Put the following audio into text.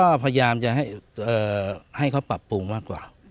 ก็พยายามจะให้เขาปรับปรุงมากกว่า